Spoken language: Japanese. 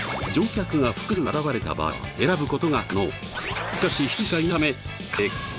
乗客が複数現れた場合は選ぶことが可能。